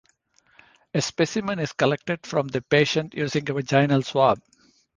A specimen is collected from the patient using a vaginal swab.